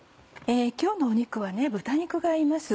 今日の肉は豚肉が合います。